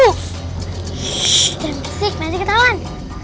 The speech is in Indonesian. shhh jangan bersih masih ketahuan